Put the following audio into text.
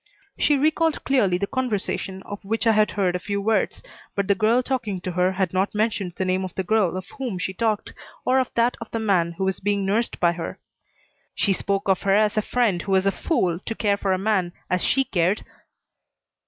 She recalled clearly the conversation of which I had heard a few words, but the girl talking to her had not mentioned the name of the girl of whom she talked, or of that of the man who was being nursed by her. "She spoke of her as a friend who was a fool to care for a man as she cared."